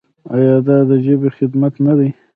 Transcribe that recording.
آیا دا د ژبې خدمت نه دی؟